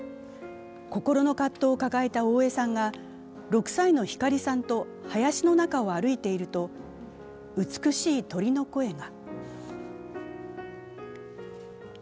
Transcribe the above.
心の葛藤を抱えた大江さんが、６歳の光さんと林の中を歩いていると美しい鳥の声が。